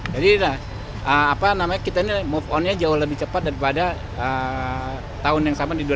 jadi kita move on nya jauh lebih cepat daripada tahun yang sama di dua ribu sembilan belas